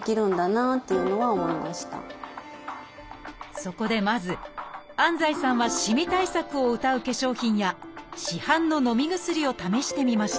そこでまず安西さんはしみ対策をうたう化粧品や市販ののみ薬を試してみました。